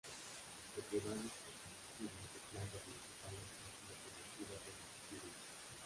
Las propiedades fotosensibles de plantas y vegetales han sido conocidas durante siglos.